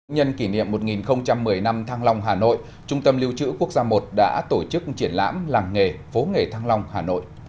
nhân kỷ niệm một nghìn một mươi năm thăng long hà nội trung tâm lưu trữ quốc gia i đã tổ chức triển lãm làng nghề phố nghề thăng long hà nội